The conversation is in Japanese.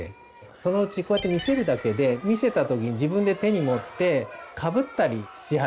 そのうちこうやって見せるだけで見せた時に自分で手に持ってかぶったりし始める。